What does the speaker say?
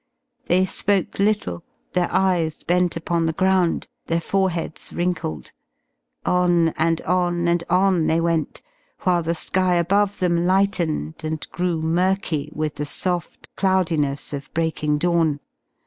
They spoke little, their eyes bent upon the ground, their foreheads wrinkled. On and on and on they went, while the sky above them lightened and grew murky with the soft cloudiness of breaking dawn.